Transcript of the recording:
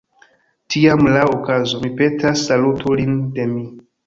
Tiam, laŭ okazo, mi petas, salutu lin de mi.